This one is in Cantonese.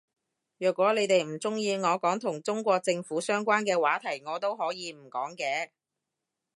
若果你哋唔鍾意我講同中國政府相關嘅話題我都可以唔講嘅